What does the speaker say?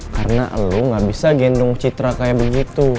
karena lo gak bisa gendong citra kayak begitu